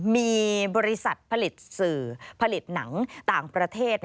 มีบริษัทผลิตสื่อผลิตหนังต่างประเทศ